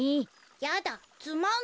やだつまんない。